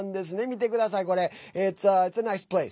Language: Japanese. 見てください、これ。